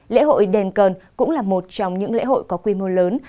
lễ hội đền cờn cũng là một trong những lễ hội có quy mô lớn